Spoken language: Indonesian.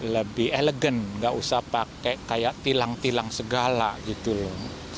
lebih elegan nggak usah pakai kayak tilang tilang segala gitu loh